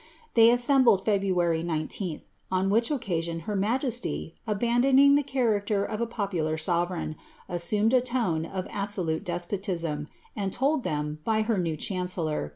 They assembled Feb ruary 19tb, on which occasion her majesty, abandoning the character of a popular sovereign, assumed a tone of absolute despotism, and told ihem, by her new chancellor.